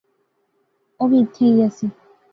او وی ایتھیں ایہہ سی